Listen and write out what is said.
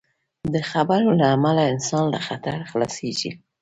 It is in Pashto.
د خبرو له امله انسان له خطر خلاصېږي.